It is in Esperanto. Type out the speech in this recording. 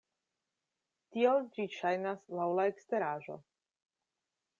Tiel ĝi ŝajnas laŭ la eksteraĵo.